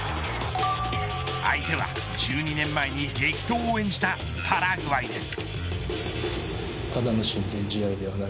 相手は、１２年前に激闘を演じたパラグアイです。